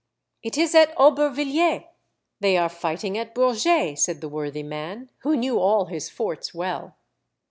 " It is at Aubervilliers. They are fighting at Bourget," said the worthy man, who knew all his forts well.